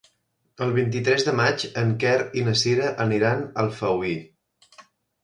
El vint-i-tres de maig en Quer i na Sira aniran a Alfauir.